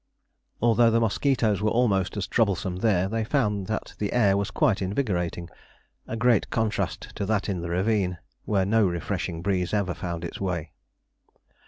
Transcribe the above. Although the mosquitoes were almost as troublesome there, they found that the air was quite invigorating a great contrast to that in the ravine, where no refreshing breeze ever found its way.